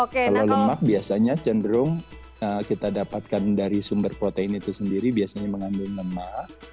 kalau lemak biasanya cenderung kita dapatkan dari sumber protein itu sendiri biasanya mengambil lemak